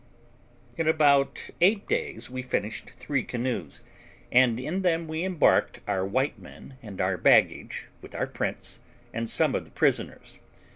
In about eight days we finished three canoes, and in them we embarked our white men and our baggage, with our prince, and some of the prisoners.